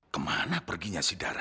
kemana perginya si dara